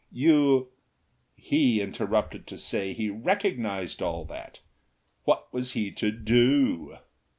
You " He interrupted to say he recognised all that. What was he to DO?